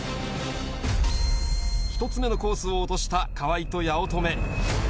１つ目のコースを落とした河合と八乙女。